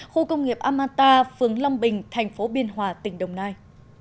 khu công nghiệp amata phướng long bình thành phố biên hòa tỉnh đồng nai